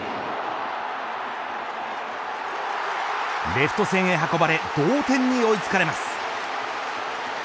レフト線へ運ばれ同点に追い付かれます。